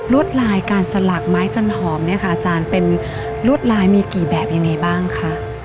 วดลายการสลักไม้จันหอมเนี่ยค่ะอาจารย์เป็นลวดลายมีกี่แบบยังไงบ้างคะ